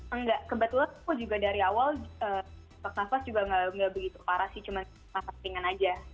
enggak kebetulan aku juga dari awal nafas juga nggak begitu parah sih cuma nafas ringan aja